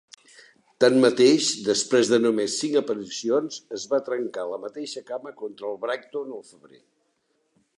Tanmateix, després de només cinc aparicions, es va trencar la mateixa cama contra el Brighton al febrer.